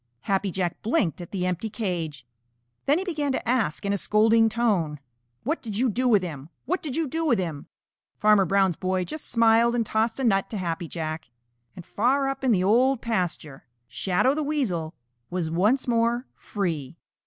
Happy Jack blinked at the empty cage. Then he began to ask in a scolding tone, "What did you do with him? What did you do with him?" Farmer Brown's boy just smiled and tossed a nut to Happy Jack. And far up in the Old Pasture, Shadow the Weasel was once more free.